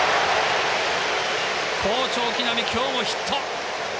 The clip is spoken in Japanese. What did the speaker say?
好調の木浪、今日もヒット。